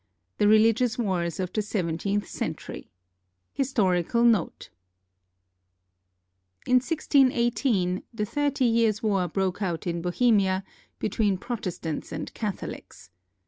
II THE RELIGIOUS WARS OF THE SEVENTEENTH CENTURY HISTORICAL NOTE In i6i8, the Thirty Years' War broke out in Bohemia be tween Protestants and Catholics.